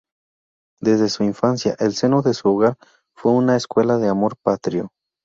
Desde su infancia el seno de su hogar fue una escuela de amor patrio.